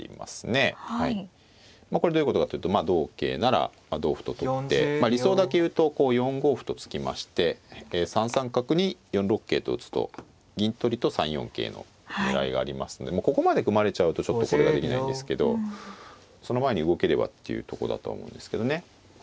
まあこれどういうことかっていうとまあ同桂なら同歩と取ってまあ理想だけ言うとこう４五歩と突きまして３三角に４六桂と打つと銀取りと３四桂の狙いがありますんでもうここまで組まれちゃうとちょっとこれができないんですけどその前に動ければっていうとこだとは思うんですけどね。